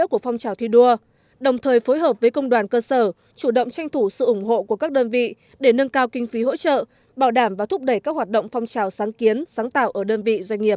chủ động tranh thủ sự ủng hộ của các đơn vị để nâng cao kinh phí hỗ trợ bảo đảm và thúc đẩy các hoạt động phong trào sáng kiến sáng tạo ở đơn vị doanh nghiệp